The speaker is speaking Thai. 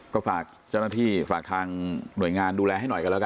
ก็ฝากเจ้าหน้าที่ฝากทางหน่วยงานดูแลให้หน่อยกันแล้วกัน